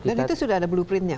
dan itu sudah ada blueprintnya